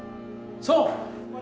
そう。